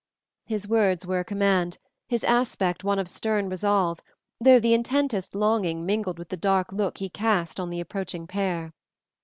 His words were a command, his aspect one of stern resolve, though the intensest longing mingled with the dark look he cast on the approaching pair.